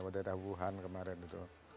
daerah wuhan kemarin itu